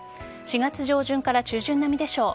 ４月上旬から中旬並みでしょう。